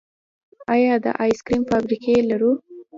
آیا د آیس کریم فابریکې لرو؟